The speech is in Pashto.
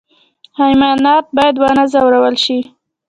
حیوانات باید ونه ځورول شي